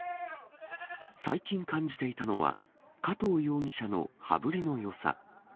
最近感じていたのは、加藤容疑者の羽振りのよさ。